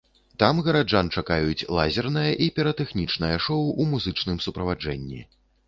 Там гараджан чакаюць лазернае і піратэхнічнае шоу ў музычным суправаджэнні.